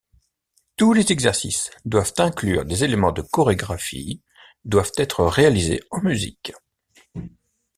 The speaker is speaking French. Tous les exercices, doivent inclure des éléments de chorégraphie, doivent être réalisés en musique.